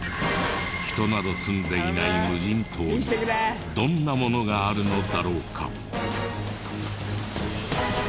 人など住んでいない無人島にどんなものがあるのだろうか？